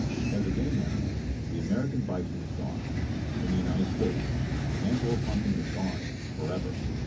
As a game animal, the American bison is gone. In the United States, antelope hunting is gone, forever.